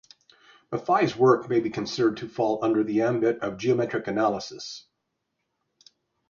Mathai's work may be considered to fall under the ambit of geometric analysis.